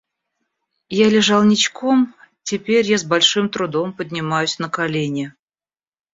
Я лежал ничком, теперь я с большим трудом поднимаюсь на колени.